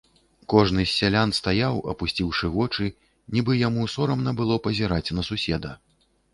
Кожны з сялян стаяў, апусціўшы вочы, нібы яму сорамна было пазіраць на суседа.